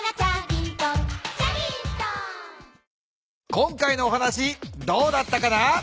今回のお話どうだったかな？